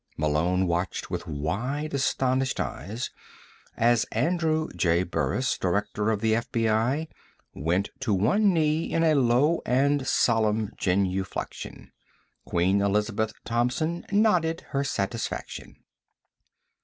Malone watched with wide, astonished eyes as Andrew J. Burris, Director of the FBI, went to one knee in a low and solemn genuflection. Queen Elizabeth Thompson nodded her satisfaction.